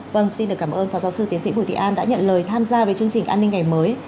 vâng xin được cảm ơn phó giáo sư tiến sĩ bùi thị an đã nhận lời tham gia với chương trình an ninh ngày mới